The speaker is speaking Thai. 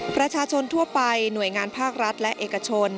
ประชาชนทั่วไปหน่วยงานภาครัฐและเอกชน